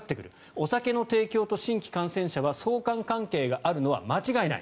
お酒の提供と新規感染者は相関関係があるのは間違いない。